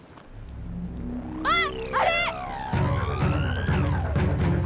あっあれ！